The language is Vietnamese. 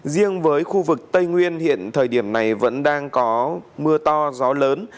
riêng với khu vực tây nguyên hiện thời điểm này vẫn đang có mưa to gió lớn